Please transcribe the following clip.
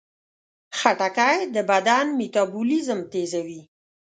خټکی د بدن میتابولیزم تیزوي.